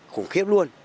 khủng khiếp lắm